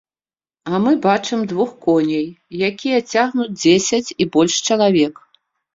А мы бачым двух коней, якія цягнуць дзесяць і больш чалавек.